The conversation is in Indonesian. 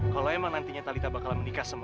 kalo emang nantinya talitha bakalan menikah sama lu